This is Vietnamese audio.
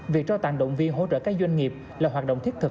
việc trao tặng động viên hỗ trợ các doanh nghiệp là hoạt động thiết thực